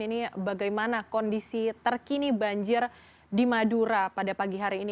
ini bagaimana kondisi terkini banjir di madura pada pagi hari ini